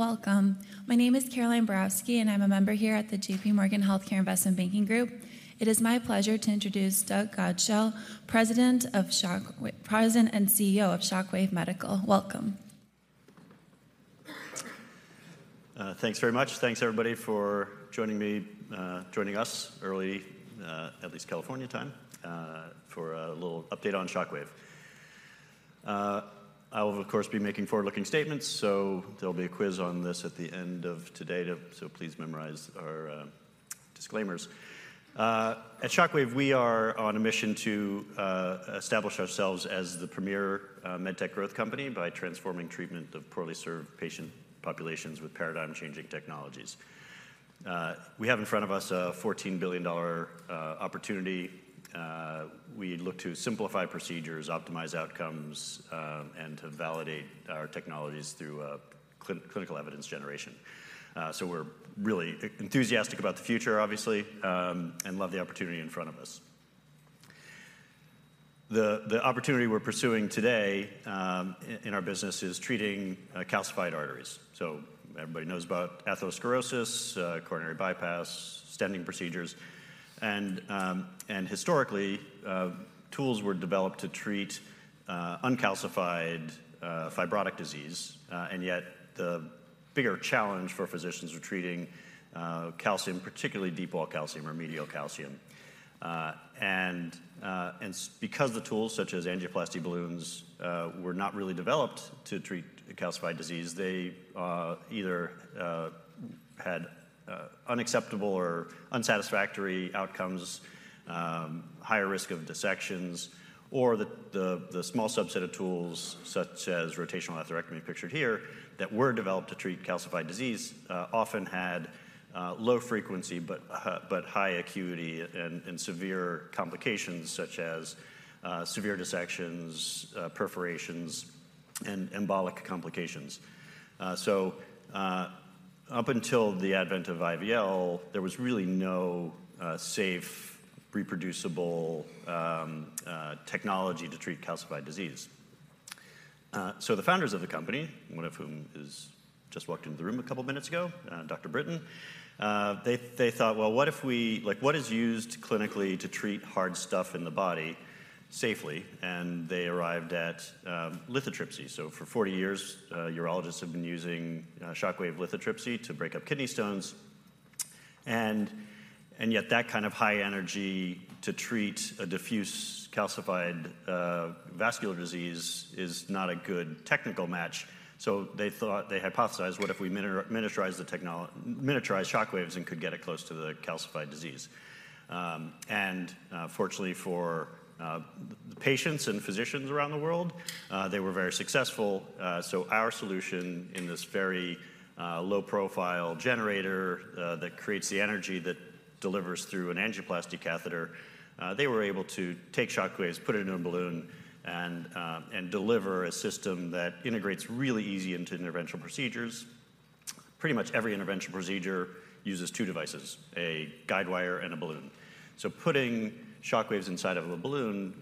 Hi, all. Welcome. My name is Caroline Borowski, and I'm a member here at the JPMorgan Healthcare Investment Banking Group. It is my pleasure to introduce Doug Godshall, President and CEO of Shockwave Medical. Welcome. Thanks very much. Thanks, everybody, for joining me, joining us early, at least California time, for a little update on Shockwave. I will, of course, be making forward-looking statements, so there'll be a quiz on this at the end of today, so please memorize our disclaimers. At Shockwave, we are on a mission to establish ourselves as the premier med tech growth company by transforming treatment of poorly served patient populations with paradigm-changing technologies. We have in front of us a $14 billion opportunity. We look to simplify procedures, optimize outcomes, and to validate our technologies through clinical evidence generation. So we're really enthusiastic about the future, obviously, and love the opportunity in front of us. The opportunity we're pursuing today in our business is treating calcified arteries. So everybody knows about atherosclerosis, coronary bypass, stenting procedures. Historically, tools were developed to treat uncalcified fibrotic disease. Yet the bigger challenge for physicians are treating calcium, particularly deep wall calcium or medial calcium. Because the tools, such as angioplasty balloons, were not really developed to treat calcified disease, they either had unacceptable or unsatisfactory outcomes, higher risk of dissections, or the small subset of tools, such as rotational atherectomy, pictured here, that were developed to treat calcified disease, often had low frequency, but high acuity and severe complications, such as severe dissections, perforations, and embolic complications. So, up until the advent of IVL, there was really no safe, reproducible technology to treat calcified disease. So the founders of the company, one of whom is just walked into the room a couple minutes ago, Dr. Brinton, they thought: Well, what if we... Like, what is used clinically to treat hard stuff in the body safely? And they arrived at lithotripsy. So for 40 years, urologists have been using shock wave lithotripsy to break up kidney stones. And yet that kind of high energy to treat a diffuse calcified vascular disease is not a good technical match. So they thought, they hypothesized: What if we miniaturize shock waves and could get it close to the calcified disease? Fortunately for the patients and physicians around the world, they were very successful. So our solution in this very low-profile generator that creates the energy that delivers through an angioplasty catheter, they were able to take shock waves, put it in a balloon, and deliver a system that integrates really easy into interventional procedures. Pretty much every interventional procedure uses two devices, a guide wire and a balloon. So putting shock waves inside of a balloon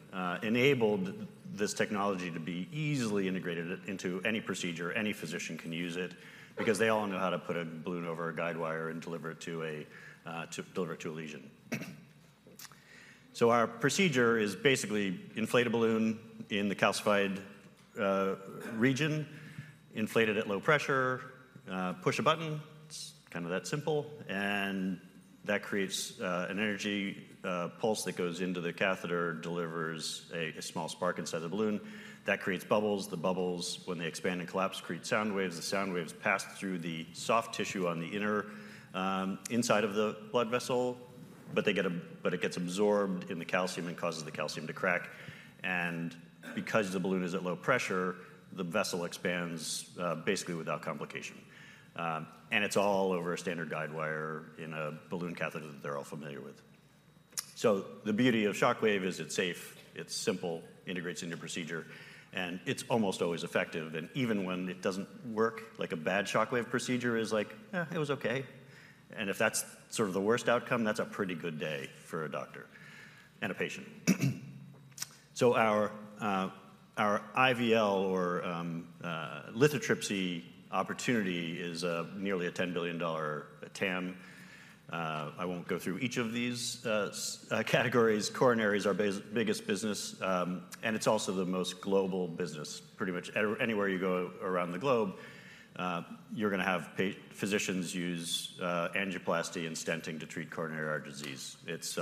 enabled this technology to be easily integrated into any procedure. Any physician can use it because they all know how to put a balloon over a guide wire and deliver it to a lesion. So our procedure is basically inflate a balloon in the calcified region, inflate it at low pressure, push a button. It's kind of that simple. That creates an energy pulse that goes into the catheter, delivers a small spark inside the balloon. That creates bubbles. The bubbles, when they expand and collapse, create sound waves. The sound waves pass through the soft tissue on the inside of the blood vessel, but it gets absorbed in the calcium and causes the calcium to crack. Because the balloon is at low pressure, the vessel expands basically without complication. It's all over a standard guide wire in a balloon catheter that they're all familiar with. So the beauty of Shockwave is it's safe, it's simple, integrates into procedure, and it's almost always effective. Even when it doesn't work, like a bad Shockwave procedure is like, "it was okay." If that's sort of the worst outcome, that's a pretty good day for a doctor and a patient. Our IVL or lithotripsy opportunity is nearly a $10 billion TAM. I won't go through each of these categories. Coronary is our biggest business, and it's also the most global business. Pretty much anywhere you go around the globe, you're gonna have physicians use angioplasty and stenting to treat coronary artery disease. It's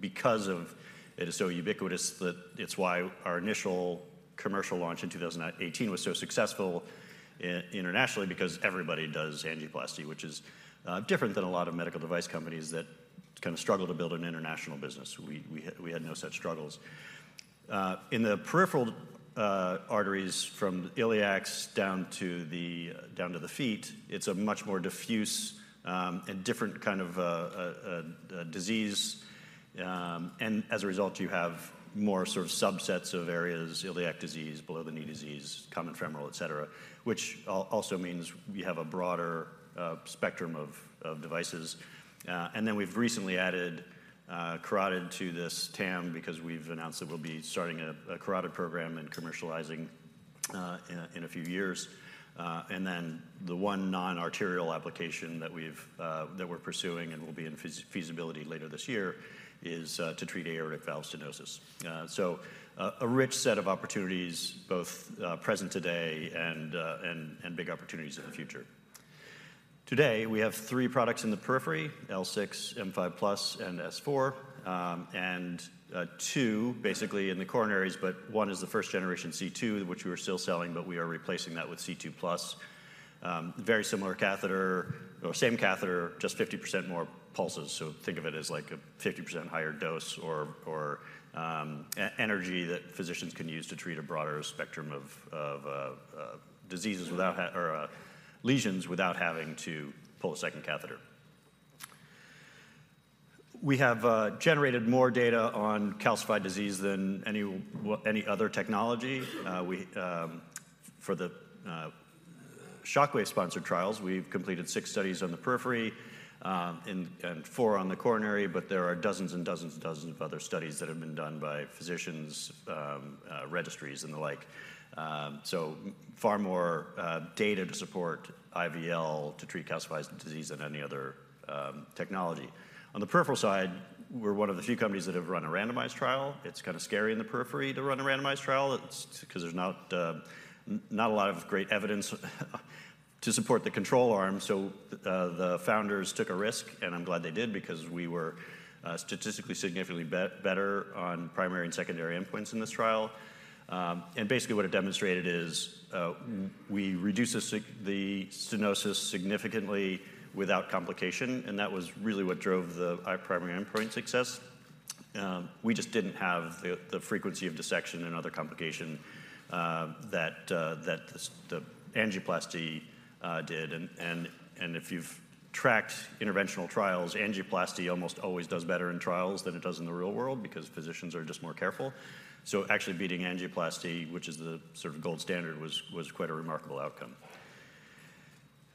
because of... It is so ubiquitous that it's why our initial commercial launch in 2018 was so successful internationally, because everybody does angioplasty, which is different than a lot of medical device companies that kind of struggle to build an international business. We had no such struggles. In the peripheral arteries, from the iliacs down to the feet, it's a much more diffuse and different kind of a disease. And as a result, you have more sort of subsets of areas, iliac disease, below-the-knee disease, common femoral, et cetera, which also means we have a broader spectrum of devices. And then we've recently added carotid to this TAM because we've announced that we'll be starting a carotid program and commercializing in a few years. And then the one non-arterial application that we're pursuing and will be in feasibility later this year is to treat aortic valve stenosis. So a rich set of opportunities, both present today and big opportunities in the future. Today, we have three products in the periphery: L6, M5 Plus, and S4. And two basically in the coronaries, but one is the first generation C2, which we are still selling, but we are replacing that with C2 Plus. Very similar catheter or same catheter, just 50% more pulses. So think of it as like a 50% higher dose or energy that physicians can use to treat a broader spectrum of diseases or lesions, without having to pull a second catheter. We have generated more data on calcified disease than any other technology. For the Shockwave sponsored trials, we've completed six studies on the periphery, and four on the coronary, but there are dozens and dozens and dozens of other studies that have been done by physicians, registries and the like. So far more data to support IVL to treat calcified disease than any other technology. On the peripheral side, we're one of the few companies that have run a randomized trial. It's kind of scary in the periphery to run a randomized trial, 'cause there's not a lot of great evidence to support the control arm. So the founders took a risk, and I'm glad they did, because we were statistically significantly better on primary and secondary endpoints in this trial. And basically what it demonstrated is we reduce the stenosis significantly without complication, and that was really what drove the our primary endpoint success. We just didn't have the frequency of dissection and other complication that the angioplasty did. And if you've tracked interventional trials, angioplasty almost always does better in trials than it does in the real world, because physicians are just more careful. So actually beating angioplasty, which is the sort of gold standard, was quite a remarkable outcome.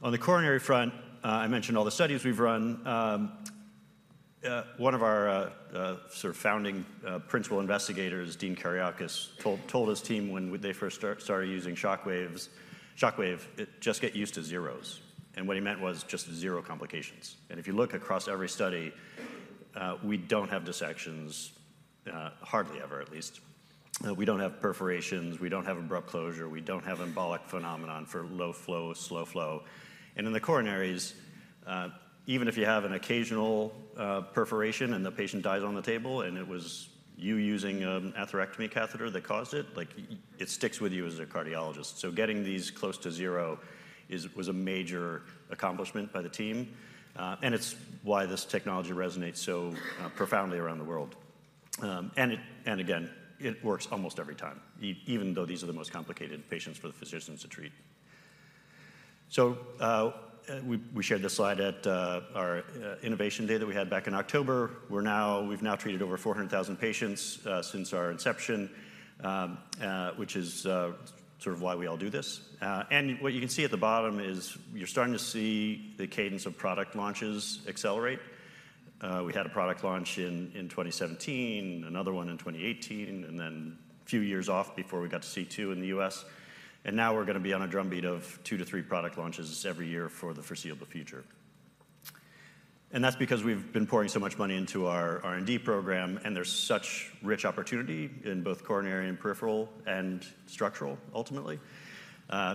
On the coronary front, I mentioned all the studies we've run. One of our sort of founding principal investigators, Dean Kereiakes, told his team when they first started using Shockwaves: "Shockwave, it just get used to zeros." And what he meant was just zero complications. And if you look across every study, we don't have dissections hardly ever, at least. We don't have perforations, we don't have abrupt closure, we don't have embolic phenomenon for low flow, slow flow. And in the coronaries, even if you have an occasional perforation and the patient dies on the table, and it was you using an atherectomy catheter that caused it, like, it sticks with you as a cardiologist. So getting these close to zero is, was a major accomplishment by the team, and it's why this technology resonates so profoundly around the world. And again, it works almost every time, even though these are the most complicated patients for the physicians to treat. So, we shared this slide at our Innovation Day that we had back in October. We've now treated over 400,000 patients since our inception, which is sort of why we all do this. And what you can see at the bottom is you're starting to see the cadence of product launches accelerate. We had a product launch in 2017, another one in 2018, and then a few years off before we got to C2 in the U.S. And now we're gonna be on a drumbeat of two-three product launches every year for the foreseeable future. And that's because we've been pouring so much money into our R&D program, and there's such rich opportunity in both coronary and peripheral, and structural, ultimately.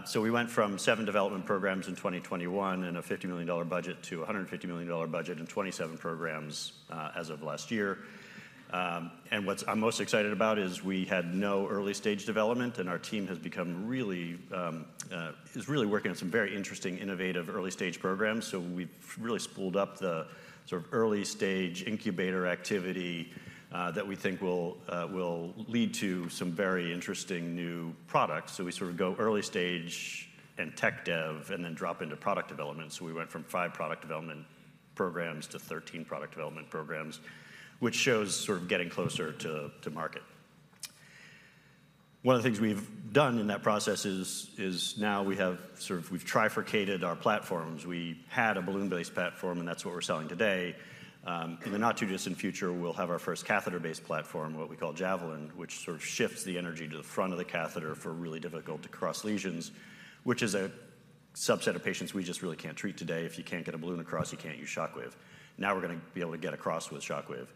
So we went from seven development programs in 2021 and a $50 million budget to a $150 million budget and 27 programs, as of last year. And what I'm most excited about is we had no early-stage development, and our team has become really, is really working on some very interesting, innovative early-stage programs. So we've really spooled up the sort of early-stage incubator activity, that we think will, will lead to some very interesting new products. So we sort of go early stage and tech dev, and then drop into product development. So we went from five product development programs to 13 product development programs, which shows sort of getting closer to market. One of the things we've done in that process is now we have sort of we've trifurcated our platforms. We had a balloon-based platform, and that's what we're selling today. In the not-too-distant future, we'll have our first catheter-based platform, what we call Javelin, which sort of shifts the energy to the front of the catheter for really difficult to cross lesions, which is a subset of patients we just really can't treat today. If you can't get a balloon across, you can't use Shockwave. Now, we're gonna be able to get across with Shockwave,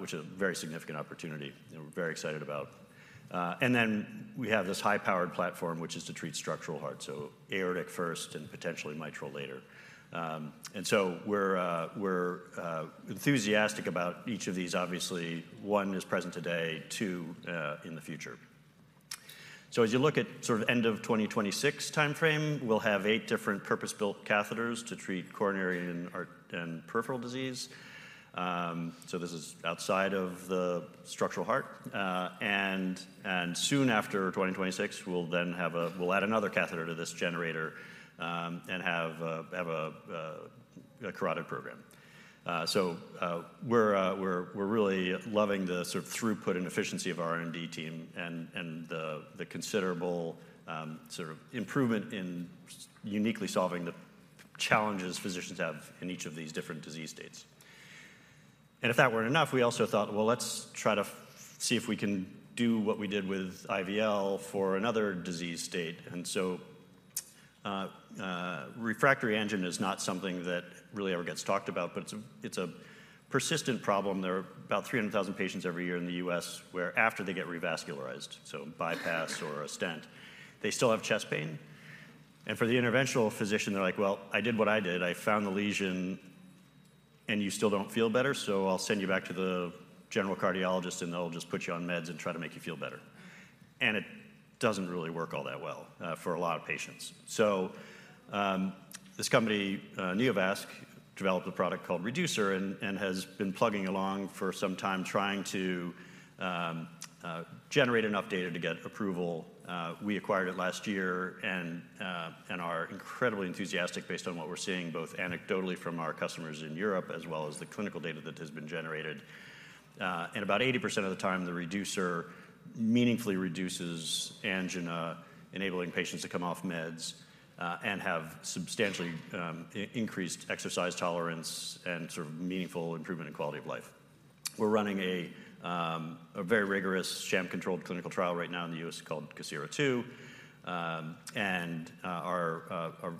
which is a very significant opportunity, and we're very excited about. And then we have this high-powered platform, which is to treat structural heart, so aortic first and potentially mitral later. And so we're enthusiastic about each of these. Obviously, one is present today, two in the future. So as you look at sort of end of 2026 timeframe, we'll have eight different purpose-built catheters to treat coronary and peripheral disease. So this is outside of the structural heart. And soon after 2026, we'll add another catheter to this generator and have a carotid program. So we're really loving the sort of throughput and efficiency of our R&D team and the considerable sort of improvement in uniquely solving the challenges physicians have in each of these different disease states. And if that weren't enough, we also thought, well, let's try to see if we can do what we did with IVL for another disease state. And so, refractory angina is not something that really ever gets talked about, but it's a, it's a persistent problem. There are about 300,000 patients every year in the U.S. where after they get revascularized, so bypass or a stent, they still have chest pain. And for the interventional physician, they're like: "Well, I did what I did. I found the lesion, and you still don't feel better, so I'll send you back to the general cardiologist, and they'll just put you on meds and try to make you feel better." And it doesn't really work all that well, for a lot of patients. So, this company, Neovasc, developed a product called Reducer and has been plugging along for some time trying to generate enough data to get approval. We acquired it last year and are incredibly enthusiastic based on what we're seeing, both anecdotally from our customers in Europe as well as the clinical data that has been generated. And about 80% of the time, the Reducer meaningfully reduces angina, enabling patients to come off meds and have substantially increased exercise tolerance and sort of meaningful improvement in quality of life. We're running a very rigorous, sham-controlled clinical trial right now in the U.S. called COSIRA-II and are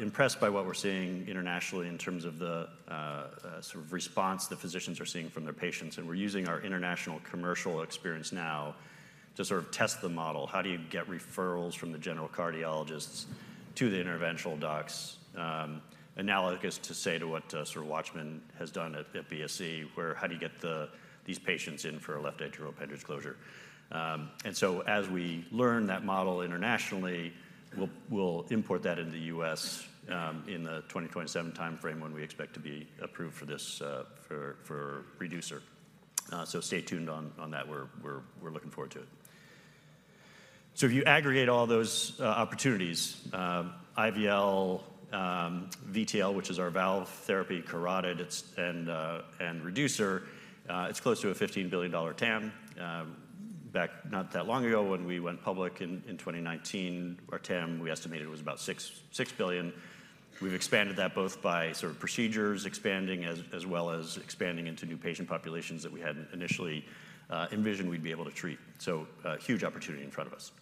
impressed by what we're seeing internationally in terms of the sort of response the physicians are seeing from their patients. And we're using our international commercial experience now to sort of test the model. How do you get referrals from the general cardiologists to the interventional docs? Analogous to say to what sort of WATCHMAN has done at BSC, where how do you get these patients in for a left atrial appendage closure? And so as we learn that model internationally, we'll import that into the U.S. in the 2027 time frame, when we expect to be approved for this for Reducer. So stay tuned on that. We're looking forward to it. So if you aggregate all those opportunities, IVL, VTL, which is our valve therapy, carotid, and Reducer, it's close to a $15 billion TAM. Back not that long ago, when we went public in 2019, our TAM, we estimated, was about $6 billion. We've expanded that both by sort of procedures expanding, as well as expanding into new patient populations that we hadn't initially envisioned we'd be able to treat. So a huge opportunity in front of us.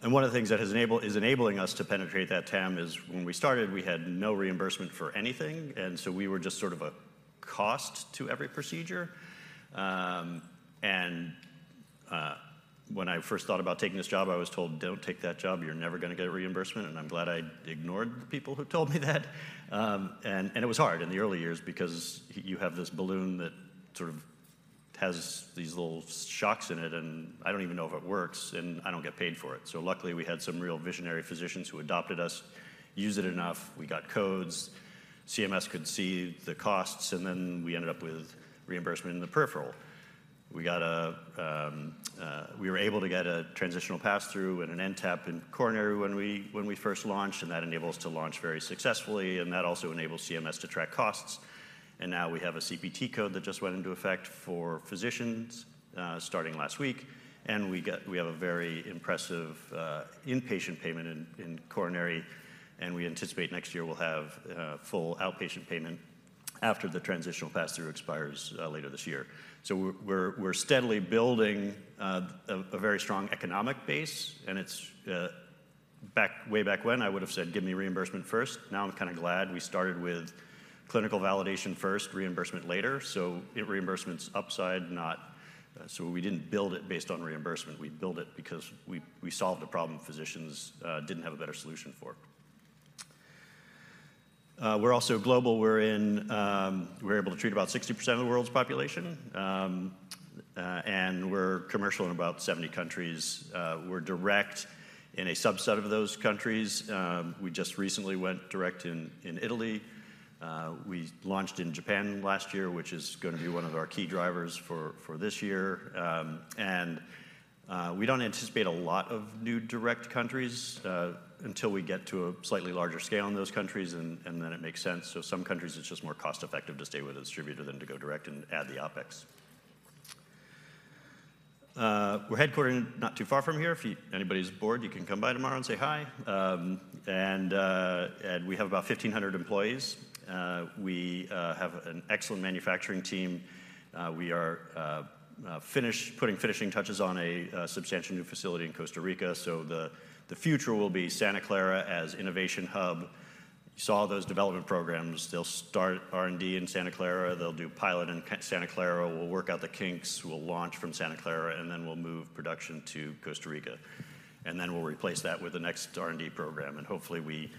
And one of the things that has enabled, is enabling us to penetrate that TAM is when we started, we had no reimbursement for anything, and so we were just sort of a cost to every procedure. And when I first thought about taking this job, I was told, "Don't take that job. You're never gonna get reimbursement." And I'm glad I ignored the people who told me that. And it was hard in the early years because you have this balloon that sort of has these little shocks in it, and I don't even know if it works, and I don't get paid for it. So luckily, we had some real visionary physicians who adopted us, used it enough, we got codes, CMS could see the costs, and then we ended up with reimbursement in the peripheral. We were able to get a transitional pass-through and an NTAP in coronary when we first launched, and that enabled us to launch very successfully, and that also enabled CMS to track costs. And now we have a CPT code that just went into effect for physicians starting last week, and we have a very impressive inpatient payment in coronary, and we anticipate next year we'll have full outpatient payment after the transitional pass-through expires later this year. So we're steadily building a very strong economic base, and it's... Back, way back when I would have said, "Give me reimbursement first." Now, I'm kind of glad we started with clinical validation first, reimbursement later. So reimbursement's upside, not... So we didn't build it based on reimbursement. We built it because we solved a problem physicians didn't have a better solution for. We're also global. We're in... We're able to treat about 60% of the world's population. And we're commercial in about 70 countries. We're direct in a subset of those countries. We just recently went direct in Italy. We launched in Japan last year, which is gonna be one of our key drivers for this year. We don't anticipate a lot of new direct countries until we get to a slightly larger scale in those countries, and then it makes sense. So some countries, it's just more cost-effective to stay with a distributor than to go direct and add the OpEx. We're headquartered not too far from here. If anybody's bored, you can come by tomorrow and say hi. And we have about 1,500 employees. We have an excellent manufacturing team. We are putting finishing touches on a substantial new facility in Costa Rica, so the future will be Santa Clara as innovation hub. You saw those development programs. They'll start R&D in Santa Clara. They'll do pilot in Santa Clara. We'll work out the kinks. We'll launch from Santa Clara, and then we'll move production to Costa Rica. And then we'll replace that with the next R&D program, and hopefully, we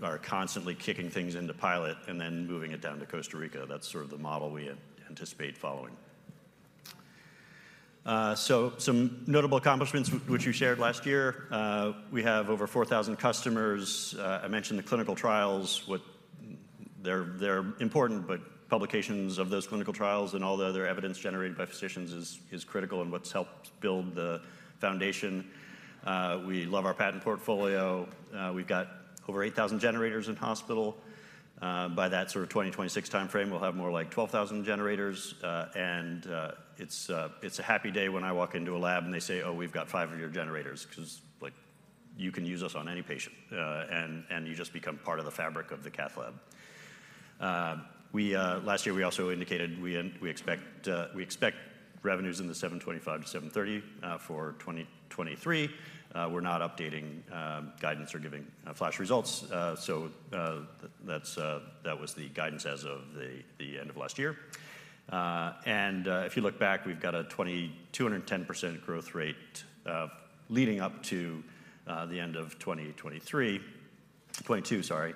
are constantly kicking things into pilot and then moving it down to Costa Rica. That's sort of the model we anticipate following. So some notable accomplishments which we shared last year. We have over 4,000 customers. I mentioned the clinical trials, what... They're important, but publications of those clinical trials and all the other evidence generated by physicians is critical in what's helped build the foundation. We love our patent portfolio. We've got over 8,000 generators in hospital. By that sort of 2026 time frame, we'll have more like 12,000 generators. And it's a happy day when I walk into a lab, and they say, "Oh, we've got five of your generators," 'cause, like you can use us on any patient, and you just become part of the fabric of the cath lab. Last year, we also indicated we expect revenues in the $725 million-$730 million for 2023. We're not updating guidance or giving flash results, so that's that was the guidance as of the end of last year. And if you look back, we've got a 2,210% growth rate leading up to the end of 2023, 2022, sorry.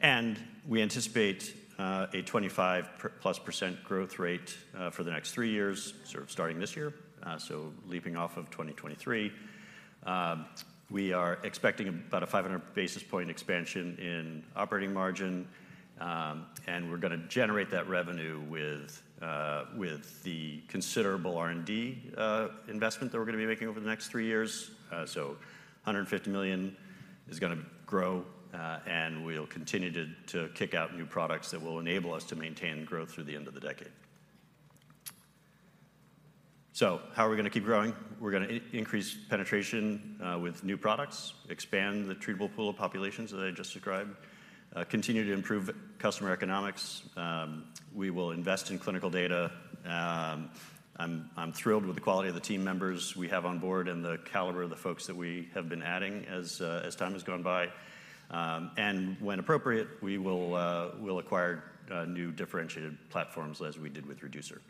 And we anticipate a 25% plus growth rate for the next three years, sort of starting this year, so leaping off of 2023. We are expecting about a 500 basis point expansion in operating margin, and we're gonna generate that revenue with the considerable R&D investment that we're gonna be making over the next three years. So $150 million is gonna grow, and we'll continue to kick out new products that will enable us to maintain growth through the end of the decade. So how are we gonna keep growing? We're gonna increase penetration with new products, expand the treatable pool of populations that I just described, continue to improve customer economics. We will invest in clinical data. I'm thrilled with the quality of the team members we have on board and the caliber of the folks that we have been adding as time has gone by. And when appropriate, we will acquire new differentiated platforms, as we did with Reducer.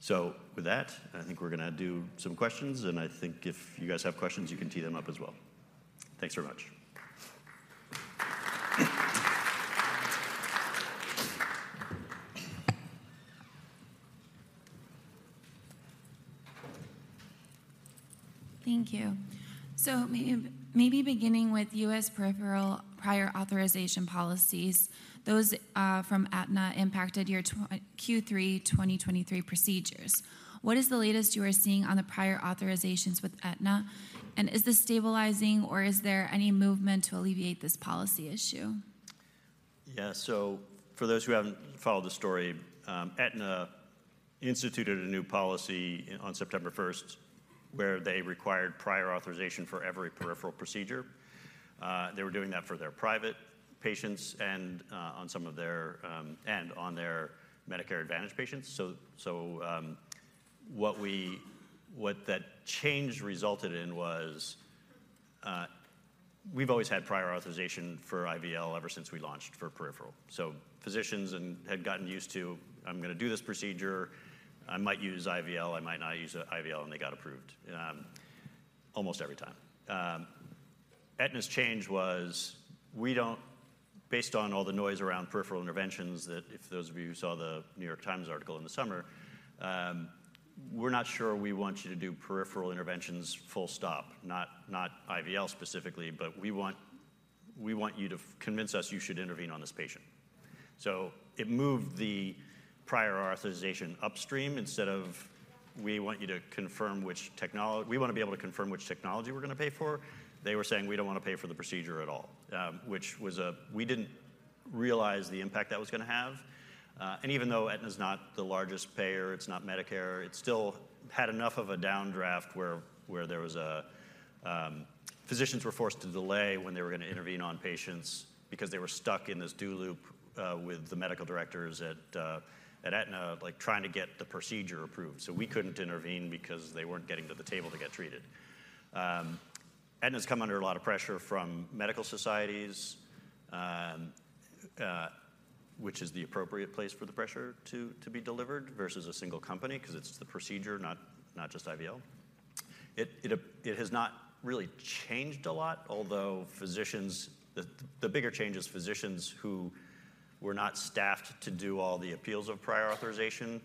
So with that, I think we're gonna do some questions, and I think if you guys have questions, you can tee them up as well. Thanks very much. Thank you. So maybe beginning with U.S. peripheral prior authorization policies, those from Aetna impacted your Q3 2023 procedures. What is the latest you are seeing on the prior authorizations with Aetna, and is this stabilizing, or is there any movement to alleviate this policy issue? Yeah. So for those who haven't followed the story, Aetna instituted a new policy on September first, where they required prior authorization for every peripheral procedure. They were doing that for their private patients and on some of their and on their Medicare Advantage patients. What that change resulted in was, we've always had prior authorization for IVL ever since we launched for peripheral. So physicians and had gotten used to: "I'm gonna do this procedure. I might use IVL, I might not use IVL," and they got approved almost every time. Aetna's change was, we don't... Based on all the noise around peripheral interventions, that if those of you who saw the New York Times article in the summer, we're not sure we want you to do peripheral interventions, full stop. Not, not IVL specifically, but we want, we want you to convince us you should intervene on this patient. So it moved the prior authorization upstream, instead of we want you to confirm which technolo-- we want to be able to confirm which technology we're gonna pay for. They were saying: "We don't want to pay for the procedure at all," which was-- we didn't realize the impact that was gonna have. And even though Aetna's not the largest payer, it's not Medicare, it still had enough of a downdraft where, where there was a... Physicians were forced to delay when they were gonna intervene on patients because they were stuck in this do loop with the medical directors at, at Aetna, like, trying to get the procedure approved. So we couldn't intervene because they weren't getting to the table to get treated. Aetna's come under a lot of pressure from medical societies, which is the appropriate place for the pressure to be delivered, versus a single company, 'cause it's the procedure not just IVL. It has not really changed a lot, although physicians, the bigger change is physicians who were not staffed to do all the appeals of prior authorization,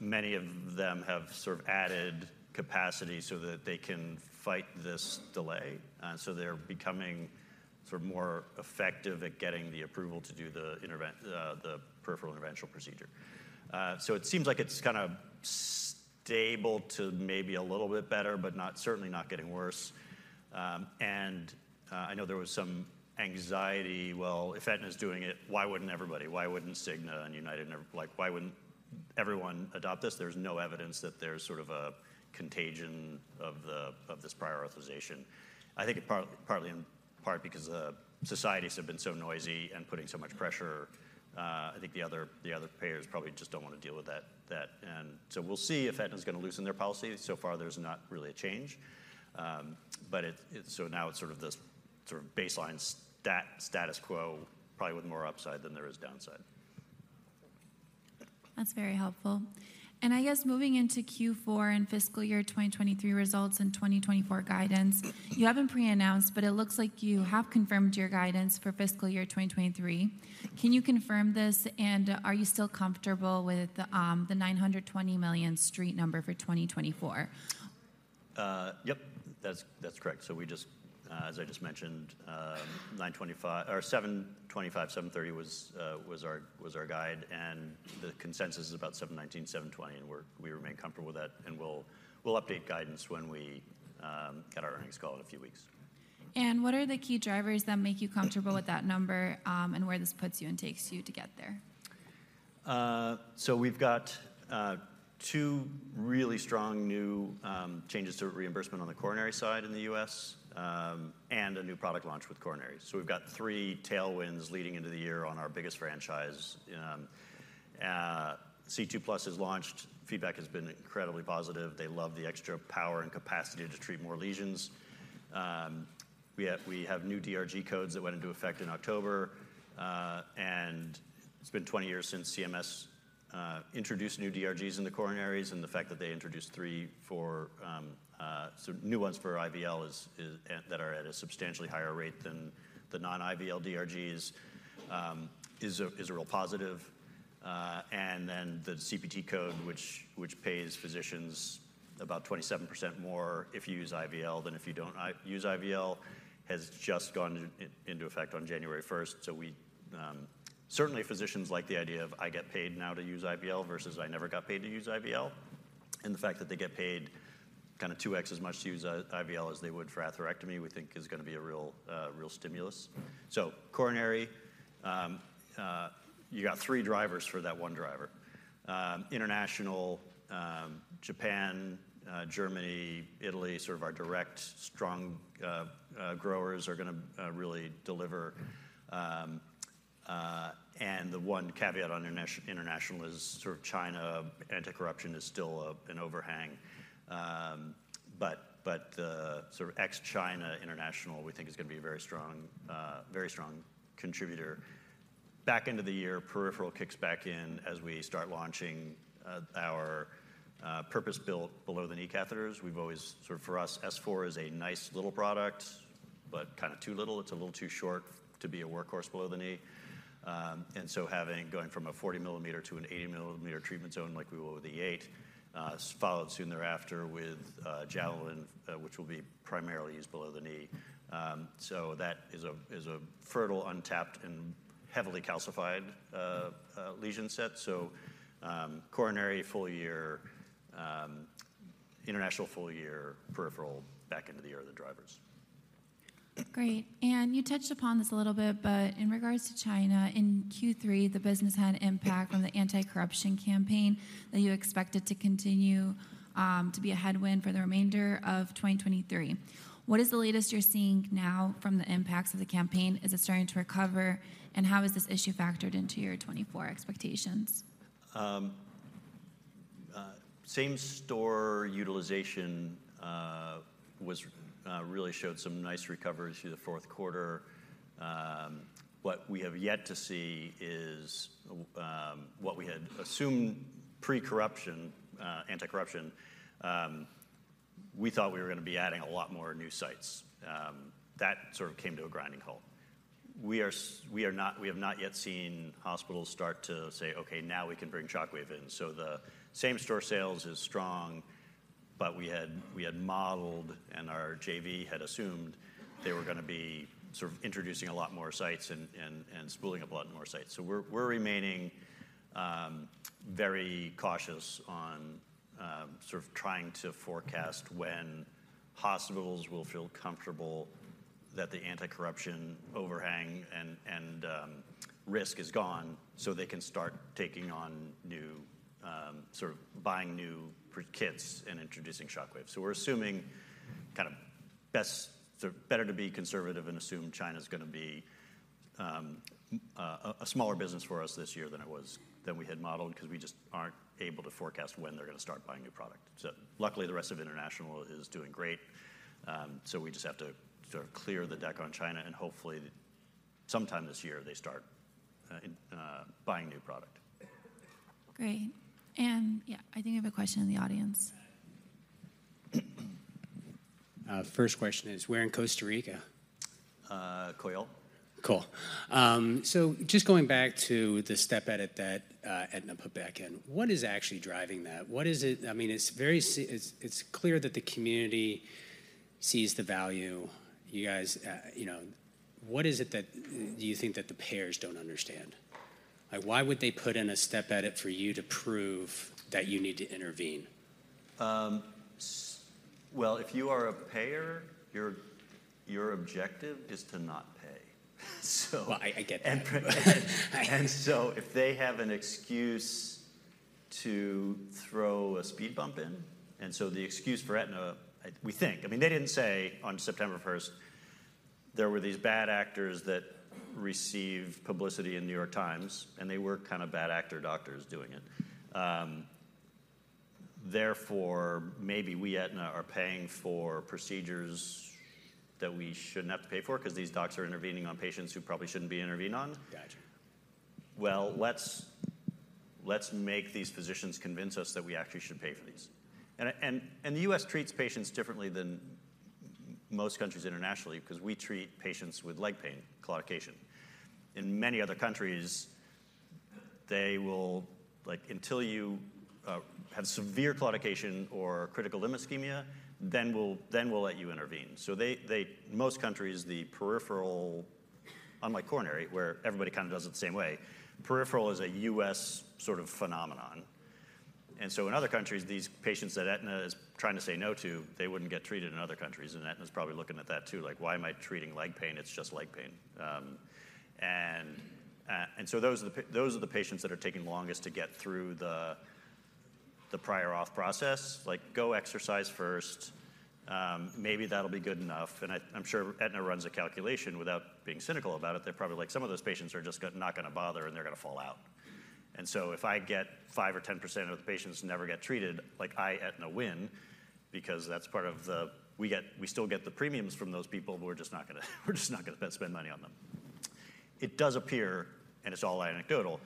many of them have sort of added capacity so that they can fight this delay. And so they're becoming sort of more effective at getting the approval to do the peripheral interventional procedure. So it seems like it's kind of stable to maybe a little bit better, but not, certainly not getting worse. And, I know there was some anxiety: "Well, if Aetna is doing it, why wouldn't everybody? Why wouldn't Cigna and United and everyone? Like, why wouldn't everyone adopt this?" There's no evidence that there's sort of a contagion of this prior authorization. I think it partly in part because the societies have been so noisy and putting so much pressure. I think the other payers probably just don't want to deal with that. And so we'll see if Aetna's gonna loosen their policy. So far, there's not really a change. But it so now it's sort of this sort of baseline status quo, probably with more upside than there is downside. That's very helpful. And I guess moving into Q4 and fiscal year 2023 results and 2024 guidance, you haven't pre-announced, but it looks like you have confirmed your guidance for fiscal year 2023. Can you confirm this, and are you still comfortable with the $920 million street number for 2024? Yep, that's correct. So we just, as I just mentioned, $725-$730 was our guide, and the consensus is about $719-$720, and we remain comfortable with that, and we'll update guidance when we get our earnings call in a few weeks. What are the key drivers that make you comfortable with that number, and where this puts you and takes you to get there? So we've got two really strong new changes to reimbursement on the coronary side in the U.S., and a new product launch with coronary. So we've got three tailwinds leading into the year on our biggest franchise. C2 Plus has launched. Feedback has been incredibly positive. They love the extra power and capacity to treat more lesions. We have new DRG codes that went into effect in October, and it's been 20 years since CMS introduced new DRGs in the coronaries, and the fact that they introduced 3 for so new ones for IVL is that are at a substantially higher rate than the non-IVL DRGs is a real positive. And then the CPT code, which pays physicians about 27% more if you use IVL than if you don't use IVL, has just gone into effect on 1st January. So we certainly physicians like the idea of, "I get paid now to use IVL," versus, "I never got paid to use IVL." And the fact that they get paid kinda two times as much to use IVL as they would for atherectomy, we think is gonna be a real real stimulus. So coronary you got three drivers for that one driver. International Japan Germany Italy sort of our direct strong growers are gonna really deliver. And the one caveat on international is sort of China. Anti-corruption is still an overhang. But, sort of ex-China international, we think is gonna be a very strong, very strong contributor. Back end of the year, peripheral kicks back in as we start launching our purpose-built below-the-knee catheters. We've always... Sort of for us, S4 is a nice little product, but kind of too little. It's a little too short to be a workhorse below the knee. And so going from a 40-millimeter to an 80-millimeter treatment zone, like we will with the E8, followed soon thereafter with Javelin, which will be primarily used below the knee. So that is a, is a fertile, untapped, and heavily calcified lesion set. So, coronary, full year, international, full year, peripheral, back into the year are the drivers. Great. You touched upon this a little bit, but in regards to China, in Q3, the business had impact from the anti-corruption campaign, that you expected to continue to be a headwind for the remainder of 2023. What is the latest you're seeing now from the impacts of the campaign? Is it starting to recover, and how is this issue factored into your 2024 expectations? Same-store utilization was really showed some nice recovery through the fourth quarter. What we have yet to see is what we had assumed pre-corruption anti-corruption. We thought we were gonna be adding a lot more new sites, that sort of came to a grinding halt. We have not yet seen hospitals start to say: "Okay, now we can bring Shockwave in." So the same-store sales is strong, but we had modeled, and our JV had assumed they were gonna be sort of introducing a lot more sites and spooling up a lot more sites. So we're remaining very cautious on sort of trying to forecast when hospitals will feel comfortable that the anti-corruption overhang and risk is gone, so they can start taking on new sort of buying new product kits and introducing Shockwave. So better to be conservative and assume China's gonna be a smaller business for us this year than it was than we had modeled, 'cause we just aren't able to forecast when they're gonna start buying new product. So luckily, the rest of international is doing great. So we just have to sort of clear the deck on China, and hopefully, sometime this year, they start buying new product. Great. And yeah, I think I have a question in the audience. First question is, where in Costa Rica? Uh, Coyol. Cool. So just going back to the step edit that Aetna put back in. What is actually driving that? What is it... I mean, it's very. It's clear that the community sees the value. You guys, you know, what is it that you think that the payers don't understand? Like, why would they put in a step edit for you to prove that you need to intervene? Well, if you are a payer, your, your objective is to not pay. So- Well, I get that. And so if they have an excuse to throw a speed bump in, and so the excuse for Aetna, we think... I mean, they didn't say on September 1st, there were these bad actors that received publicity in New York Times, and they were kind of bad actor doctors doing it. Therefore, maybe we, Aetna, are paying for procedures that we shouldn't have to pay for, 'cause these docs are intervening on patients who probably shouldn't be intervened on. Gotcha. Well, let's make these physicians convince us that we actually should pay for these. And the U.S. treats patients differently than most countries internationally, 'cause we treat patients with leg pain, claudication. In many other countries, they will... Like, until you have severe claudication or critical limb ischemia, then we'll let you intervene. So most countries, the peripheral, unlike coronary, where everybody kind of does it the same way, peripheral is a U.S. sort of phenomenon.... And so in other countries, these patients that Aetna is trying to say no to, they wouldn't get treated in other countries, and Aetna's probably looking at that, too. Like, "Why am I treating leg pain? It's just leg pain." And so those are the patients that are taking longest to get through the prior auth process. Like, go exercise first, maybe that'll be good enough. And I, I'm sure Aetna runs a calculation without being cynical about it. They're probably like, "Some of those patients are just not gonna bother, and they're gonna fall out. And so if I get 5% or 10% of the patients never get treated, like, I, Aetna, win, because that's part of the, we get, we still get the premiums from those people. We're just not gonna, we're just not gonna spend money on them." It does appear, and it's all anecdotal,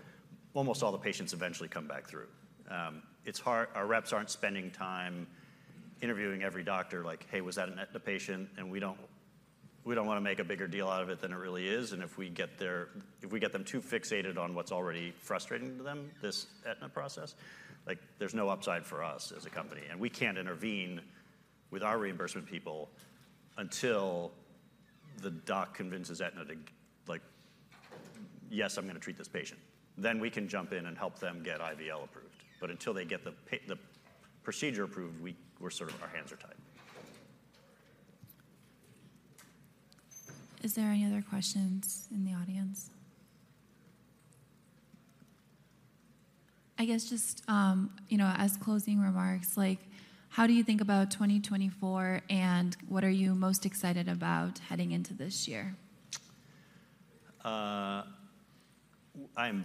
almost all the patients eventually come back through. It's hard. Our reps aren't spending time interviewing every doctor like, "Hey, was that an Aetna patient?" And we don't, we don't wanna make a bigger deal out of it than it really is. If we get them too fixated on what's already frustrating to them, this Aetna process, like, there's no upside for us as a company. We can't intervene with our reimbursement people until the doc convinces Aetna to, like, "Yes, I'm gonna treat this patient." Then we can jump in and help them get IVL approved. But until they get the procedure approved, we're sort of, our hands are tied. Is there any other questions in the audience? I guess just, you know, as closing remarks, like, how do you think about 2024, and what are you most excited about heading into this year? I'm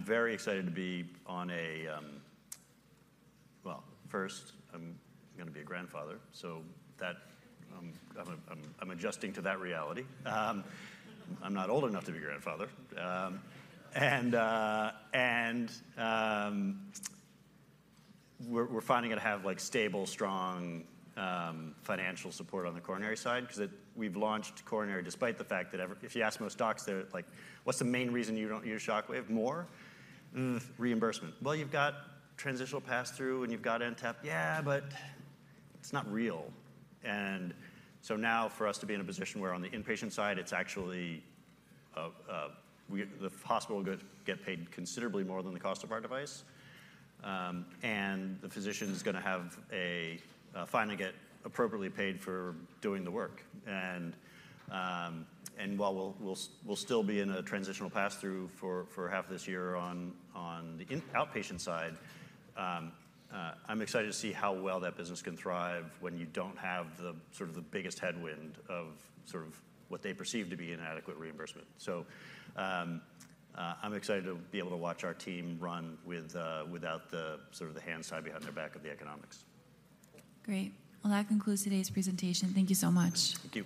very excited to be on a... Well, first, I'm gonna be a grandfather, so that, I'm adjusting to that reality. I'm not old enough to be a grandfather. And we're finding it to have, like, stable, strong, financial support on the coronary side, 'cause we've launched coronary despite the fact that if you ask most docs, they're like: "What's the main reason you don't use Shockwave more? Reimbursement." "Well, you've got transitional pass-through, and you've got NTAP." "Yeah, but it's not real." And so now, for us to be in a position where on the inpatient side, it's actually, the hospital get paid considerably more than the cost of our device, and the physician is gonna have a finally get appropriately paid for doing the work. While we'll still be in a transitional pass-through for half this year on the inpatient outpatient side, I'm excited to see how well that business can thrive when you don't have sort of the biggest headwind of sort of what they perceive to be inadequate reimbursement. So, I'm excited to be able to watch our team run without the sort of hands tied behind their back of the economics. Great! Well, that concludes today's presentation. Thank you so much. Thank you.